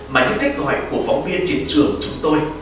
mà những cách gọi của phóng viên chiến trường chúng tôi